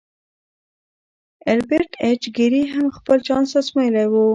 ایلبرټ ایچ ګیري هم خپل چانس ازمایلی و